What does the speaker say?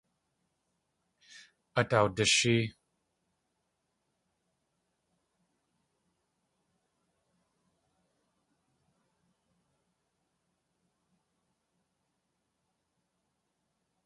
Át awdishée.